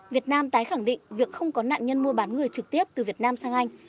việt nam tái khẳng định việc không có nạn nhân mua bán người trực tiếp từ việt nam sang anh